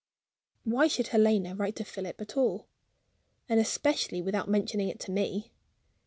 Why should Helena write to Philip at all and especially without mentioning it to me?